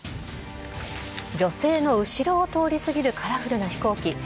女性の後ろを通り過ぎるカラフルな飛行機。